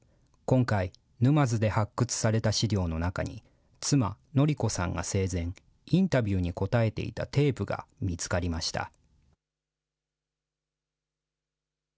今回、沼津で発掘された資料の中に、妻、宣子さんが生前、インタビューに答えていたテープが見つかりました。